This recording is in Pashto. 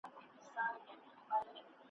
پر بچو باندي په ساندو په ژړا سوه .